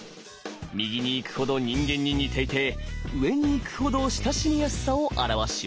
右にいくほど人間に似ていて上にいくほど親しみやすさを表します。